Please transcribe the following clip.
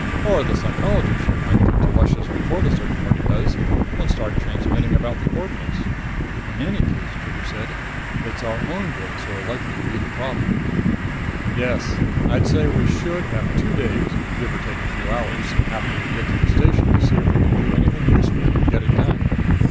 Or the Psychology ship might get to Luscious before the search party does and start transmitting about the coordinates." "In any case," said Trigger, "it's our own boys who are likely to be the problem." "Yes. I'd say we should have two days, give or take a few hours, after we get to the station to see if we can do anything useful and get it done.